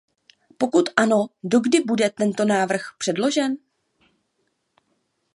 Pokud ano, dokdy bude tento návrh předložen?